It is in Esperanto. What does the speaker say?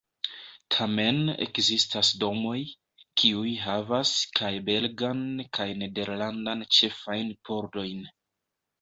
Tamen ekzistas domoj, kiuj havas kaj belgan kaj nederlandan ĉefajn pordojn.